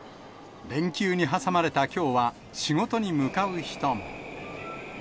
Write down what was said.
連休に挟まれたきょうは、仕事に向かう人も。